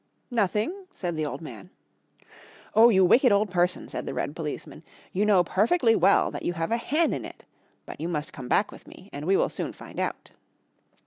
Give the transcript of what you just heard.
"Nothing," said the old man. "Oh, you wicked old person," said the red policeman. "You know perfectly well that you have a hen in it. But you must come back with me, and we will soon find out."